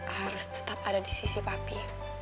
harus tetap ada di sisi bapi